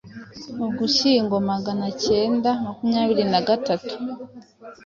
Ugushyingo Magana acyenda makumyabiri na gatatu